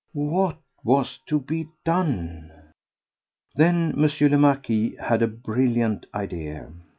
What was to be done? Then M. le Marquis had a brilliant idea.